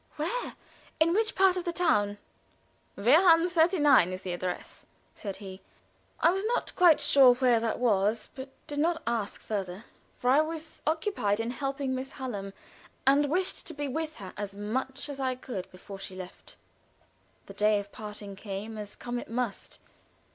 "Where? In which part of the town?" "Wehrhahn, 39, is the address," said he. I was not quite sure where that was, but did not ask further, for I was occupied in helping Miss Hallam, and wished to be with her as much as I could before she left. The day of parting came, as come it must.